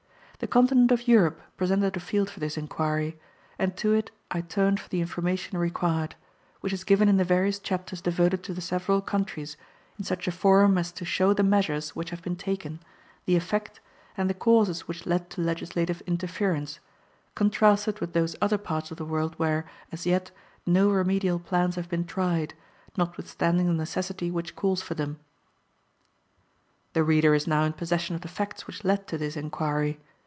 The Continent of Europe presented a field for this inquiry, and to it I turned for the information required, which is given in the various chapters devoted to the several countries in such a form as to show the measures which have been taken, the effect, and the causes which led to legislative interference, contrasted with those other parts of the world where, as yet, no remedial plans have been tried, notwithstanding the necessity which calls for them. The reader is now in possession of the facts which led to this inquiry.